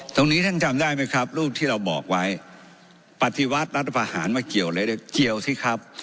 ท่านจำได้ไหมครับรูปที่เราบอกไว้ปฏิวัติรัฐพาหารมาเกี่ยวอะไรด้วยเกี่ยวสิครับ